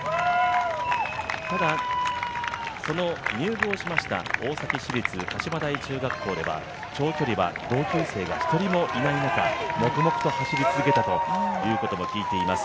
ただ、その入部をしました中学校では長距離は同級生が１人もいない中、黙々と走り続けたということも聞いています。